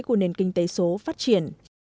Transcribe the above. của nền kinh tế số phát triển